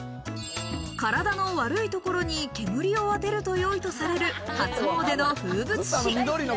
体の悪いところに煙をあてると良いとされる初詣の風物詩。